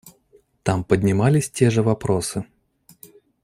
Там поднимались те же вопросы.